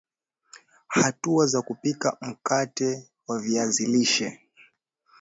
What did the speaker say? Hatua za kupika mkate wa viazi lishe